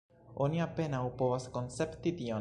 Oni apenaŭ povas koncepti tion.